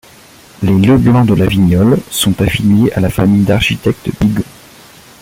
Les Le Blanc de la Vignolle sont affiliés à la famille d'architectes Bigot.